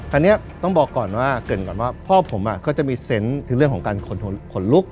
อันนี้ต้องบอกก่อนว่าเกิดก่อนว่าพ่อผมก็จะมีเซนต์คือเรื่องของการขนลุก